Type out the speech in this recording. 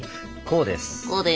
こうです。